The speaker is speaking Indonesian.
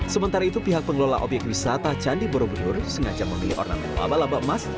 sementara itu pihak pengelola obyek wisata candi borobudur sengaja memilih ornamen laba laba emas